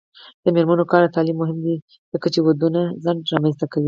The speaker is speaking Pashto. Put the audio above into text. د میرمنو کار او تعلیم مهم دی ځکه چې ودونو ځنډ رامنځته کوي.